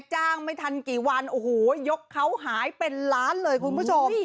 จ้างไม่ทันกี่วันโอ้โหยกเขาหายเป็นล้านเลยคุณผู้ชม